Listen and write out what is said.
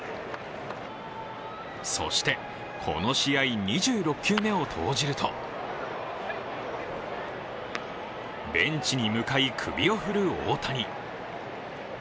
そして、この試合２６球目を投じるとベンチに向かい、首を振る大谷。